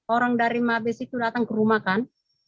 orang dari mabes itu datang ke rumah kan